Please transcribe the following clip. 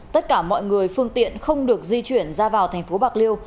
tất cả mọi người phương tiện không được di chuyển ra vào thành phố bạc liêu